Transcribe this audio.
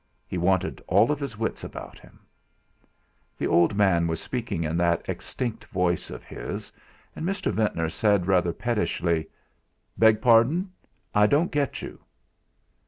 He wanted all his wits about him. The old man was speaking in that extinct voice of his, and Mr. Ventnor said rather pettishly: "Beg pardon, I don't get you."